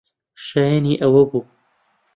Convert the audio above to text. شایەنی ئەوە بوو.